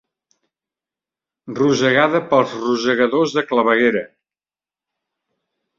Rosegada pels rosegadors de claveguera.